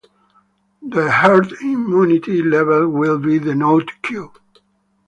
The herd immunity level will be denoted "q".